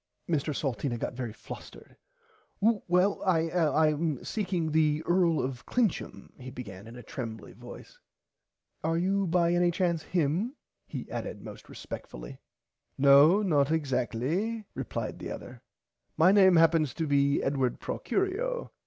Mr Salteena got very flustered. Well I am seeking the Earl of Clincham he began in a trembly voice are you by any chance him he added most respectfully. No not exacktly replied the other my name happens to be Edward Procurio.